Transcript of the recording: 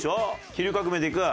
飛龍革命でいく？